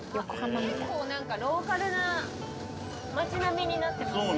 結構何かローカルな町並みになってますね